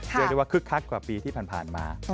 เรียกได้ว่าคึกคักกว่าปีที่ผ่านมา